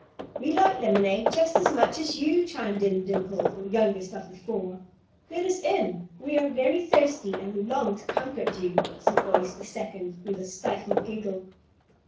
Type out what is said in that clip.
"We like lemonade just as much as you," chimed in Dimple, the youngest of the four. "Let us in. We are very thirsty, and we long to comfort you," said voice the second, with a stifled giggle.